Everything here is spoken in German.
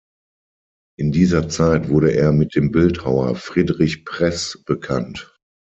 In dieser Zeit wurde er mit dem Bildhauer Friedrich Press bekannt.